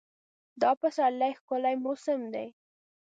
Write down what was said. دا پسرلی ښکلی موسم دی.